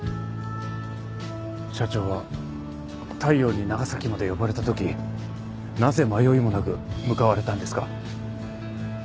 社長は大陽に長崎まで呼ばれたときなぜ迷いもなく向かわれたんですか？